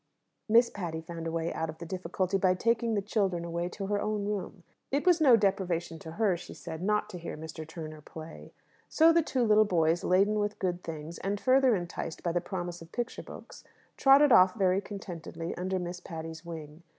Miss Patty found a way out of the difficulty by taking the children away to her own room. It was no deprivation to her, she said, not to hear Mr. Turner play. So the two little boys, laden with good things, and further enticed by the promise of picture books, trotted off very contentedly under Miss Patty's wing.